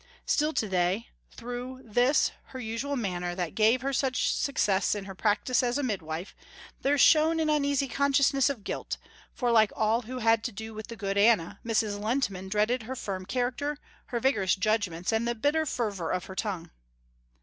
Still to day, through this her usual manner that gave her such success in her practice as a midwife, there shone an uneasy consciousness of guilt, for like all who had to do with the good Anna, Mrs. Lehntman dreaded her firm character, her vigorous judgments and the bitter fervour of her tongue.